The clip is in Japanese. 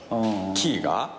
キーが？